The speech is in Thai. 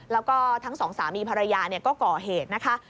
แล้วก็ทั้งสองสามีภรรยาก็ก่อเหตุนะคะ